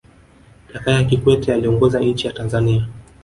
jakaya kikwete aliongoza nchi ya tanzania